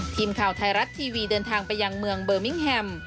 ทีมข่าวไทยรัฐทีวีเดินทางไปยังเมืองเบอร์มิ้งแฮม